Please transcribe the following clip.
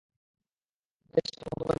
নিজের শ্বাস কে বন্ধ করবে কিভাবে?